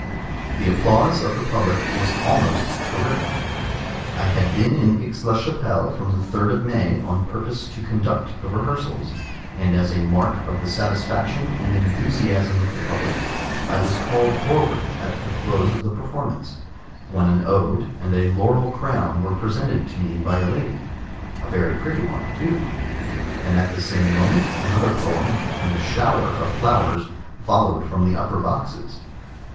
The applause of the public was almost terrific. I had been in Aix la Chapelle from the 3d of May on purpose to conduct the rehearsals, and as a mark of the satisfaction and enthusiasm of the public, I was called forward at the close of the performance, when an ode and a laurel crown were presented to me by a lady (a very pretty one too), and at the same moment another poem and a shower of flowers followed from the upper boxes.